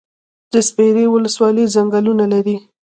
د سپیرې ولسوالۍ ځنګلونه لري